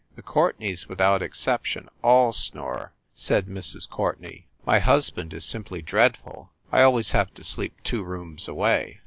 The Courtenays, without exception, all snore," said Mrs. Courtenay. "My husband is simply dreadful. I always have to sleep two rooms away.